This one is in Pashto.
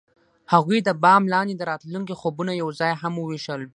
هغوی د بام لاندې د راتلونکي خوبونه یوځای هم وویشل.